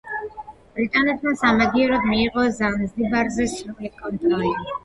ბრიტანეთმა სამაგიეროდ მიიღო ზანზიბარზე სრული კონტროლი.